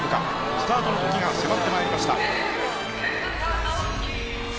スタートの時が迫ってまいりました